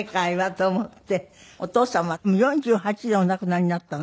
お父様４８でお亡くなりになったの？